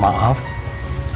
maaf kenapa kamu kesini terus